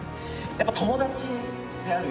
やっぱ友達であるよ